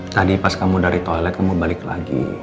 tadi pas kamu dari toilet kamu balik lagi